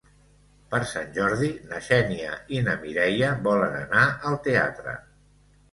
Per Sant Jordi na Xènia i na Mireia volen anar al teatre.